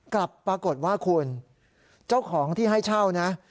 กลับปรากฏว่าคุณเจ้าของที่ให้เช่านะ